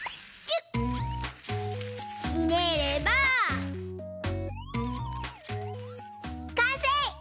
ひねればかんせい！